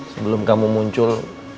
sebelum kamu muncul